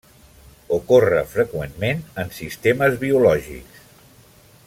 Ocorre freqüentment en sistemes biològics.